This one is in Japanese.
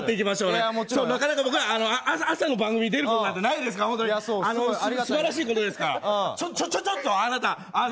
なかなか僕ら、朝の番組出ることなんてないですから本当にす、すばらしいことですからちょちょちょ、ちょっとあなた！